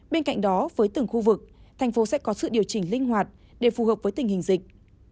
bên cạnh đó với từng khu vực thành phố sẽ có sự điều chỉnh linh hoạt để phù hợp với tình hình dịch